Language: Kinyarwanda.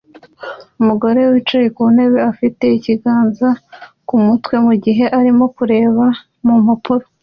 Umugore wicaye ku ntebe afite ikiganza ku mutwe mu gihe arimo kureba impapuro